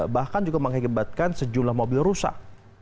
bahkan juga mengakibatkan sejumlah mobil rusak